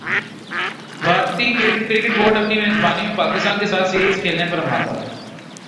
بھارتی cricket board اپنی میزبانی میں پاکستان کیساتھ سیریز کھیلنے پر مادہ